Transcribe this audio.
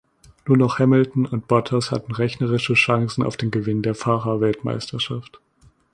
Nur noch Hamilton und Bottas hatten rechnerische Chancen auf den Gewinn der Fahrerweltmeisterschaft.